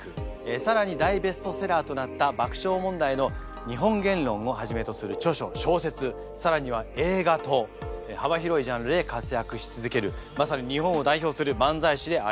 更に大ベストセラーとなった「爆笑問題の日本原論」をはじめとする著書小説更には映画と幅広いジャンルで活躍し続けるまさに日本を代表する漫才師であります。